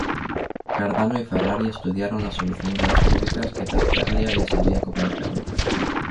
Cardano y Ferrari estudiaron la solución de las cúbicas que Tartaglia les había comunicado.